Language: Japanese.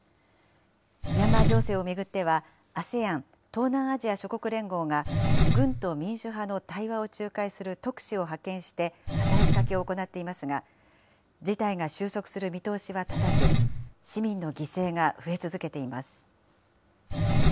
ミャンマー情勢を巡っては、ＡＳＥＡＮ・東南アジア諸国連合が軍と民主派の対話を仲介する特使を派遣して働きかけを行っていますが、事態が収束する見通しは立たず、市民の犠牲が増え続けています。